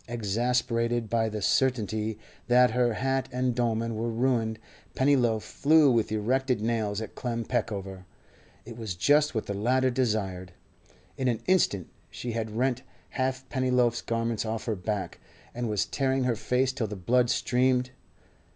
Exasperated by the certainty that her hat and dolman were ruined, Pennyloaf flew with erected nails at Clem Peckover. It was just what the latter desired. In an instant she had rent half Pennyloaf's garments off her back, and was tearing her face till the blood streamed.